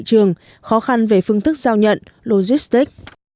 của chính doanh nghiệp